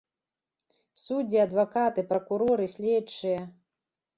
Суддзі, адвакаты, пракуроры, следчыя.